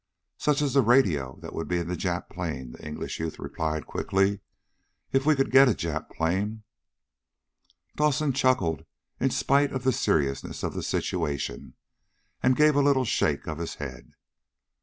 "Such as the radio that would be in the Jap plane," the English youth replied quickly. "If we could get a Jap plane." Dawson chuckled in spite of the seriousness of the situation, and gave a little shake of his head.